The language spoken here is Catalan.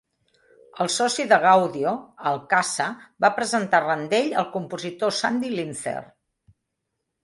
El soci de Gaudio, Al Kasha, va presentar Randell al compositor Sandy Linzer.